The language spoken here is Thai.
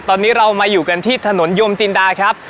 ตอนนี้เรามาอยู่กันที่ถนนโยมจินดาครับ